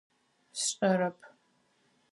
Сшӏэрэп.